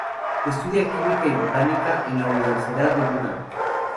Estudia química y botánica en la Universidad de Buda.